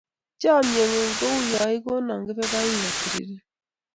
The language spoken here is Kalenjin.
Chomye ng'ung' ko uyo ikonon kepepaik atoriren.